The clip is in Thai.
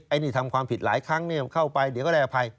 อันนี้ทำความผิดหลายครั้งเข้าไปเดี๋ยวก็ได้อภัย